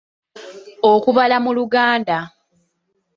Okubala mu Luganda.